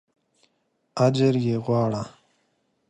اجر یې غواړه.